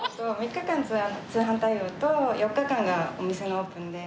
３日間通販対応と４日間がお店のオープンで。